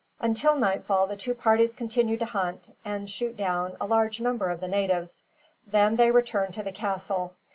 Until nightfall the two parties continued to hunt, and shoot down, a large number of the natives. Then they returned to the castle.